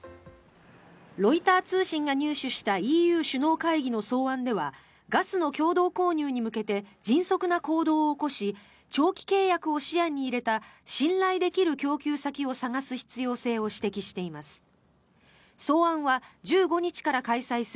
ロイター通信が入手したＥＵ首脳会議の草案ではガスの共同購入に向けて迅速な行動を起こし長期契約を視野に入れた信頼できる供給先を探す必要性を指摘しています。